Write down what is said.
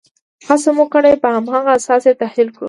هڅه مو کړې په هماغه اساس یې تحلیل کړو.